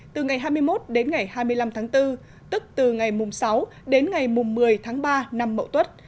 từ ngày hai mươi một đến ngày hai mươi năm tháng bốn tức từ ngày mùng sáu đến ngày một mươi tháng ba năm mậu tuất